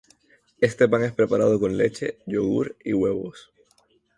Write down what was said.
Este pan es preparado con leche, yogur, y huevos.